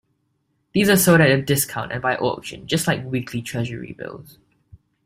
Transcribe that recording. These are sold at a discount and by auction just like weekly Treasury bills.